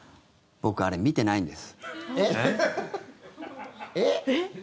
僕、あれ見てないんです。